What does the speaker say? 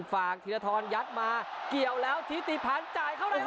ฝากธีรธรณยัดมาเกี่ยวแล้วทิพย์ที่พันธุ์จ่ายเข้าในโอ้โห